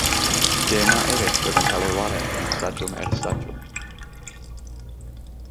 Gemau eraill oedd yn cael eu chwarae yn Stadiwm R. Stadiwm.